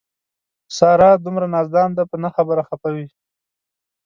ساره دومره نازدان ده په نه خبره خپه وي.